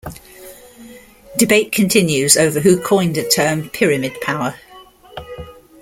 Debate continues over who coined the term "pyramid power".